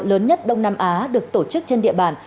lớn nhất đông nam á được tổ chức trên địa bàn